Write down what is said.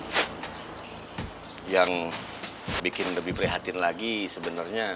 hai yang bikin lebih prihatin lagi sebenarnya